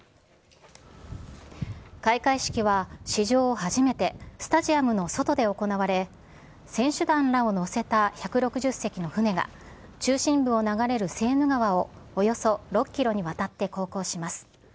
開会式は史上初めてスタジアムの外で行われ、選手団らを乗せた１６０隻の船が中心部を流れるセーヌ川を、およそ６キロにわたって航行します